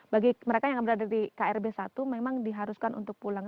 bagi mereka yang berada di krb satu memang diharuskan untuk pulang